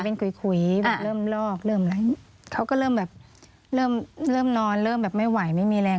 ไม่เห็นเป็นขุยเริ่มลอกเขาก็เริ่มแบบเริ่มนอนเริ่มแบบไม่ไหวไม่มีแรง